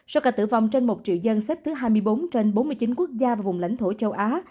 so với cả tử vong trên một triệu dân xếp thứ hai mươi bốn trên bốn mươi chín quốc gia và vùng lãnh thổ châu á